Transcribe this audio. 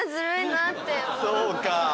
そうか。